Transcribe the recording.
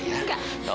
jadi ini udah lah